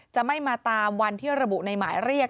จะไม่มาตามวันที่ระบุในหมายเรียก